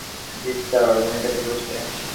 জ্বি-না sir, ভূমিকাটা বলেছি।